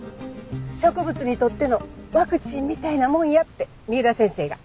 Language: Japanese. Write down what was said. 植物にとってのワクチンみたいなもんやって三浦先生が。